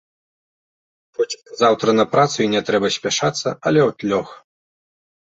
Хоць заўтра на працу і не трэба спяшацца, але от лёг.